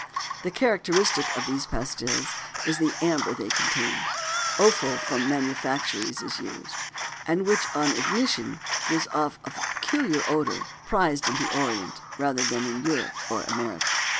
The characteristic of these pastils is the amber they contain (the offal from manufactories is used) and which on ignition gives off a peculiar odor much prized in the Orient, rather than in Europe or America.